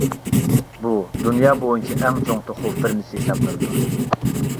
بۇ دۇنيا بويىچە ئەڭ چوڭ توخۇ فېرمىسى ھېسابلىنىدۇ.